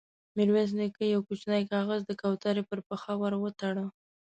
ميرويس نيکه يو کوچينۍ کاغذ د کوترې پر پښه ور وتاړه.